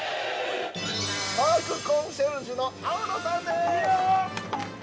◆パークコンシェルジュの青野さんです。